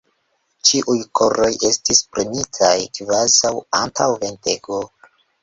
Ĉiuj koroj estis premitaj kvazaŭ antaŭ ventego.